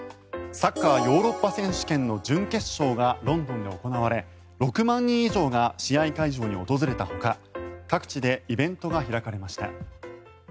サッカーヨーロッパ選手権の準決勝がロンドンで行われ６万人以上が試合会場に訪れたほか各地でイベントが開かれました。